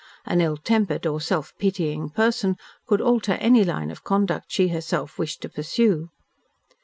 An ill tempered or self pitying person could alter any line of conduct she herself wished to pursue.